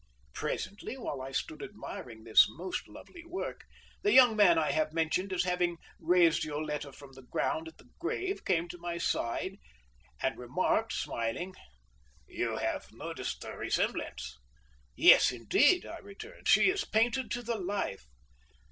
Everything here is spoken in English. Presently, while I stood admiring this most lovely work, the young man I have mentioned as having raised Yoletta from the ground at the grave came to my side and remarked, smiling: "You have noticed the resemblance." "Yes, indeed," I returned; "she is painted to the life."